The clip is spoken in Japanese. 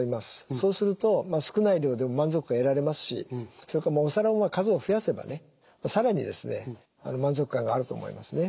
そうすると少ない量でも満足感得られますしそれからお皿も数を増やせばね更に満足感があると思いますね。